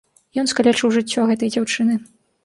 Ён скалечыў жыццё гэтай дзяўчыны.